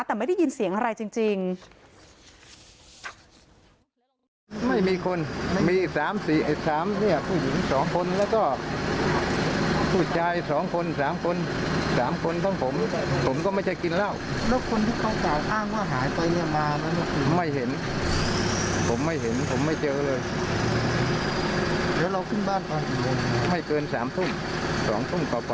แต่ไม่ได้ยินเสียงอะไรจริง